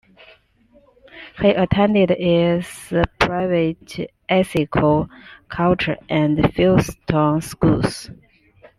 He attended its private Ethical Culture and Fieldston Schools.